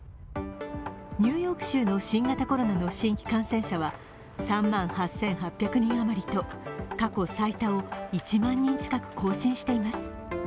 ニューヨーク州の新型コロナの新規感染者は３万８８００人余りと過去最多を１万人近く更新しています。